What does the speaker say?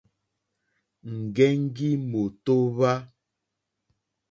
Ŋgεŋgi mòtohwa.